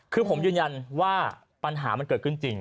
คือผมยืนยันว่าปัญหามันเกิดขึ้นจริง